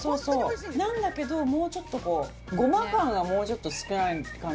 なんだけどもうちょっとこうごま感がもうちょっと少ない感じですかね